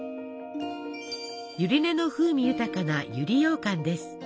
ゆり根の風味豊かな百合ようかんです。